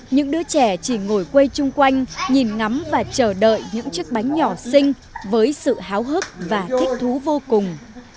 những đứa trẻ chỉ ngồi quây chung quanh nhìn ngắm và chờ đợi những chiếc bánh nhỏ sinh với sự háo hức và thích thú vô cùng